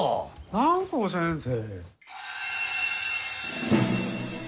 蘭光先生。